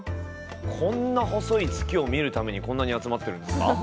こんな細い月を見るためにこんなに集まってるんですか？